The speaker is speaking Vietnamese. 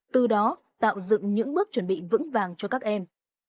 từ đó tạo dựng những bước chuẩn bị vững vàng cho các em